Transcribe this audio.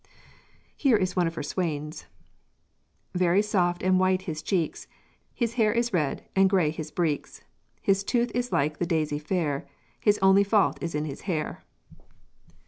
Here is one of her swains: "Very soft and white his cheeks, His hair is red, and gray his breeks; His tooth is like the daisy fair, His only fault is in his hair."